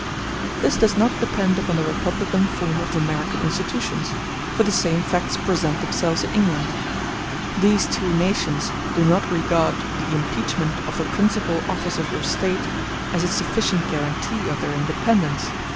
This does not depend upon the republican form of American institutions, for the same facts present themselves in England. These two nations do not regard the impeachment of the principal officers of State as a sufficient guarantee of their independence.